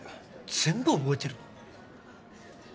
全部覚えてるの！？